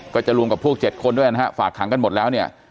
ก็จะรวมกับพวก๗คนด้วยนะฮะฝากขังกันหมดแล้วเนี่ย